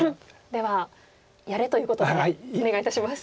ではやれということでお願いいたします。